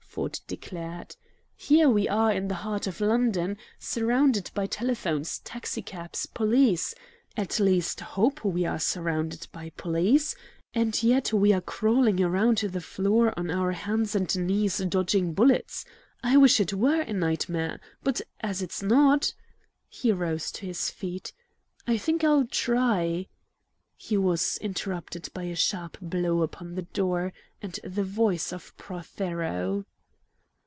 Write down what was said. Ford declared. "Here we are in the heart of London, surrounded by telephones, taxicabs, police at least, hope we are surrounded by police and yet we are crawling around the floor on our hands and knees dodging bullets. I wish it were a nightmare. But, as it's not" he rose to his feet "I think I'll try " He was interrupted by a sharp blow upon the door and the voice of Prothero.